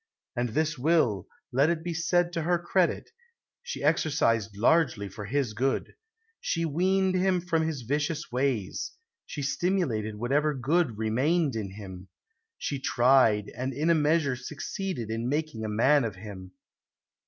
And this will, let it be said to her credit, she exercised largely for his good. She weaned him from his vicious ways; she stimulated whatever good remained in him; she tried, and in a measure succeeded in making a man of him.